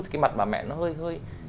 thì cái mặt bà mẹ nó hơi